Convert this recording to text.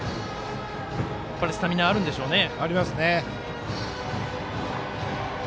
スタミナあるんでしょうね。